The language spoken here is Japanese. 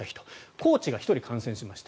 コーチが１人感染しました。